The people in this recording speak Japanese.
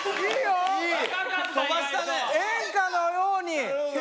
演歌のように。